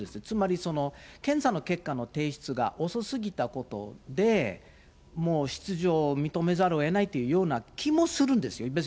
つまりその検査の結果の提出が遅すぎたことで、もう出場を認めざるをえないという気もするんですよ。